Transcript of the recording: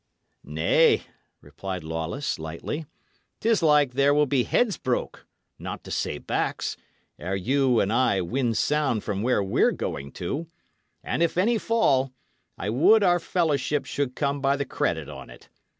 "Nay," replied Lawless, lightly, "'tis like there will be heads broke not to say backs ere you and I win sound from where we're going to; and if any fall, I would our fellowship should come by the credit on't.